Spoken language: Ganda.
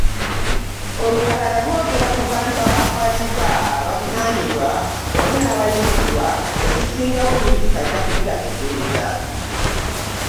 Olukalala lwogera ku bantu abaakwatibwa, abavunaanibwa wamu n’abayimbulwa, ebisingawo Minisita ajja ku bibategeeza.